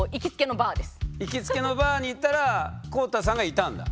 いきつけのバーに行ったら公太さんがいたんだ？